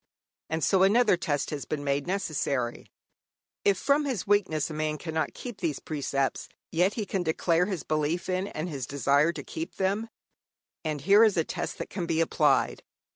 And so another test has been made necessary. If from his weakness a man cannot keep these precepts, yet he can declare his belief in and his desire to keep them, and here is a test that can be applied.